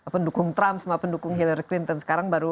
pendukung trump sama pendukung hillary clinton sekarang baru